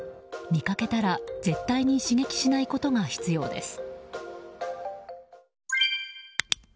見かけたら絶対に刺激しないことが必要です。